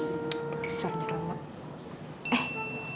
tuh besar nih rama